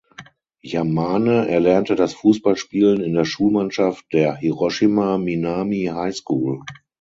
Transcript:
Yamane erlernte das Fußballspielen in der Schulmannschaft der "Hiroshima Minami High School".